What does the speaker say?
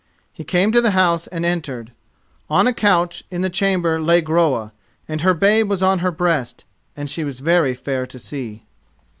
He came to the house and entered. On a couch in the chamber lay Groa, and her babe was on her breast and she was very fair to see.